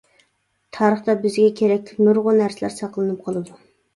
تارىختا بىزگە كېرەكلىك نۇرغۇن نەرسىلەر ساقلىنىپ قالىدۇ.